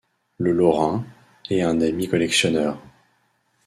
Le Laurain et un ami collectionneur.